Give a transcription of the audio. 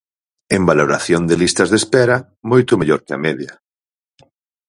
En valoración de listas de espera, moito mellor que a media.